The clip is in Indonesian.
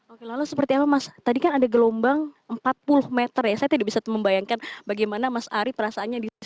oke lalu seperti apa mas tadi kan ada gelombang empat puluh meter ya saya tidak bisa membayangkan bagaimana mas ari perasaannya di sana